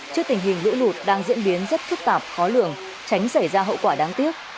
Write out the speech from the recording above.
trước tình hình lũ lụt đang diễn biến rất phức tạp khó lường tránh xảy ra hậu quả đáng tiếc